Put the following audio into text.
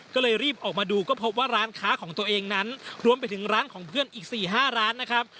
ก็เลยรีบออกมาดูก็พบว่าร้านค้าของตัวเองนั้นรวมไปถึงร้านของเพื่อนอีก๔๕ร้านนะครับ